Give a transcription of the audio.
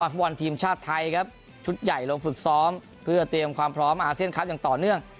ฟุตบอลทีมชาติไทยครับชุดใหญ่ลงฝึกซ้อมเพื่อเตรียมความพร้อมอาเซียนคลับอย่างต่อเนื่อง